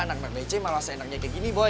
anak anak bece malah seenaknya kayak gini boy